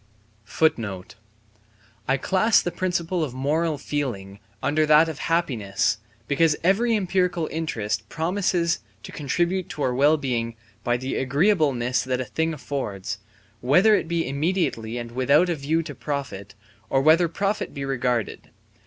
* I class the principle of moral feeling under that of happiness, because every empirical interest promises to contribute to our well being by the agreeableness that a thing affords, whether it be immediately and without a view to profit, or whether profit be regarded.